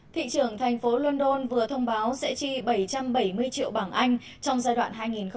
thị trưởng thành phố london vừa thông báo sẽ chi bảy trăm bảy mươi triệu bảng anh trong giai đoạn hai nghìn một mươi chín hai nghìn hai mươi